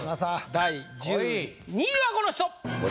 第１２位はこの人！